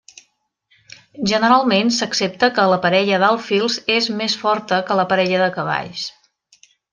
Generalment s'accepta que la parella d'alfils és més forta que la parella de cavalls.